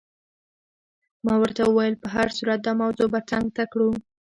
ما ورته وویل: په هر صورت دا موضوع به څنګ ته کړو.